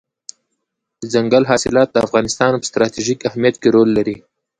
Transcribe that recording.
دځنګل حاصلات د افغانستان په ستراتیژیک اهمیت کې رول لري.